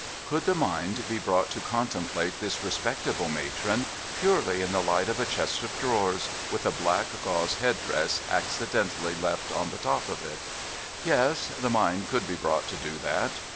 Could the mind be brought to contemplate this re spectable matron purely in the light of a chest of drawers, with a black gauze head dress accidentally left on the top of it ? Yes, the mind could be brought to do that.